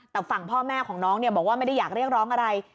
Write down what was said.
แต่ฝั่งพ่อแม่ของน้องบอกว่าไม่ได้อยากเรียกร้องอะไร